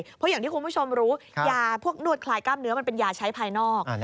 เพราะอย่างที่คุณผู้ชมรู้ยาพวกนวดคลายกล้ามเนื้อมันเป็นยาใช้ภายนอก